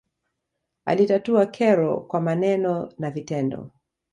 alitatua kero kwa maneno na vitendo